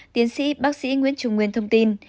tiến sĩ bác sĩ nguyễn trung nguyên thông tin